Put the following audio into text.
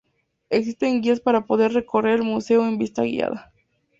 Existen guías para poder recorrer el museo en visita guiada.